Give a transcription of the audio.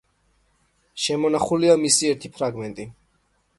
შემონახულია მისი ერთი ფრაგმენტი.